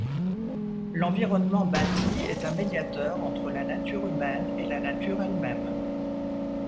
L'environnement bâti est un médiateur entre la nature humaine et la nature elle-même.